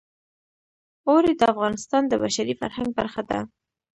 اوړي د افغانستان د بشري فرهنګ برخه ده.